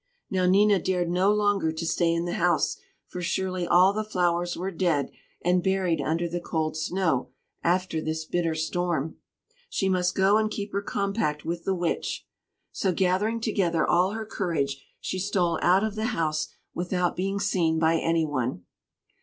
Now Nina dared no longer to stay in the house, for surely all the flowers were dead, and buried under the cold snow, after this bitter storm. She must go and keep her compact with the Witch. So gathering together all her courage, she stole out of the house without being seen by any one.